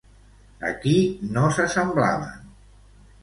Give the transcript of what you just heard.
A qui no s'assemblaven?